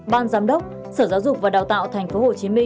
ban giám đốc sở giáo dục và đào tạo tp hcm